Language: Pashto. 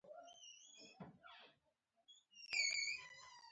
وده د پوهې د زیاتېدو لوری ټاکي.